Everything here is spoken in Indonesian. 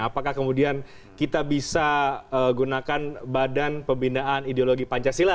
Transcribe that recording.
apakah kemudian kita bisa gunakan badan pembinaan ideologi pancasila